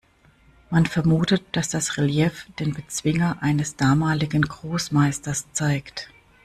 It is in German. Man vermutet, dass das Relief den Bezwinger eines damaligen Großmeisters zeigt.